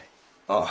ああ。